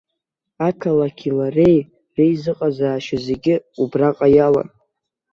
Ақалақьи лареи реизыҟазаашьа зегьы убраҟа иалан.